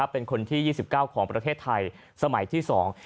เป็นคนที่๒๙ของประเทศไทยสมัยที่๒